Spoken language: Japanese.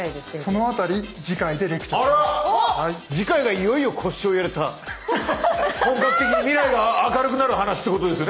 その辺り次回がいよいよ腰を入れた本格的に未来が明るくなる話ってことですよね